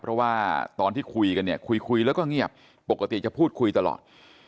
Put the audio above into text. เพราะว่าตอนที่คุยกันเนี่ยคุยแล้วก็เงียบปกติจะพูดคุยตลอด